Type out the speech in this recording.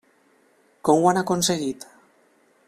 Com ho han aconseguit?